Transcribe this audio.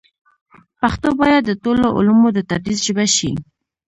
پښتو باید د ټولو علومو د تدریس ژبه شي.